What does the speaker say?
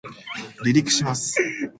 離陸します